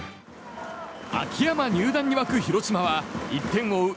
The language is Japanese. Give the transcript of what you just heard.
秋山入団に沸く広島は１点を追う